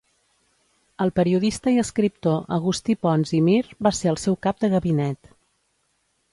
El periodista i escriptor Agustí Pons i Mir va ser el seu cap de gabinet.